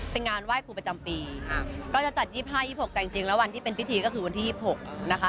เป็นงานไหว้ครูประจำปีก็จะจัด๒๕๒๖แต่จริงแล้ววันที่เป็นพิธีก็คือวันที่๒๖นะคะ